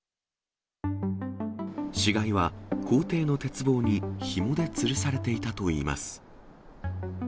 死骸は校庭の鉄棒にひもでつるされていたといいます。